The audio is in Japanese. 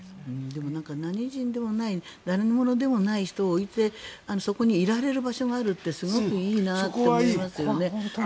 でも何人でもない何者でもない人を置いてそこにいられる場所があるってすごくいいなって思いますよね。